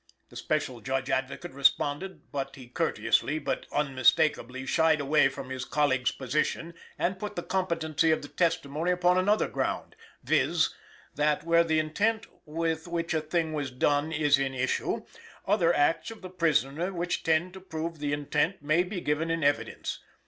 The Special Judge Advocate responded, but he courteously, but unmistakably, shied away from his colleague's position and put the competency of the testimony upon another ground, viz.: that where the intent with which a thing was done is in issue, other acts of the prisoner which tend to prove the intent may be given in evidence.